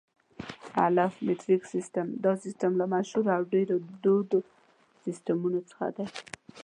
الف: مټریک سیسټم: دا سیسټم له مشهورو او ډېرو دودو سیسټمونو څخه دی.